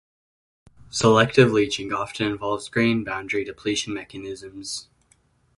Selective leaching often involves grain boundary depletion mechanisms.